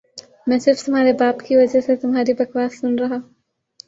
میں صرف تمہارے باپ کی وجہ سے تمہاری بکواس سن ربا